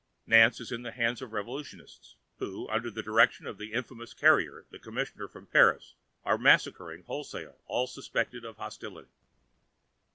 Nantes is in the hands of the Revolutionists, who, under the direction of the infamous Carrier, the Commissioner from Paris, are massacring wholesale all suspected of hostility.